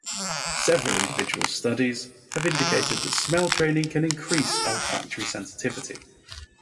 Several individual studies have indicated that smell training can increase olfactory sensitivity.